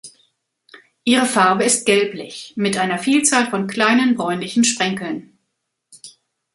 Ihre Farbe ist gelblich, mit einer Vielzahl von kleinen, bräunlichen Sprenkeln.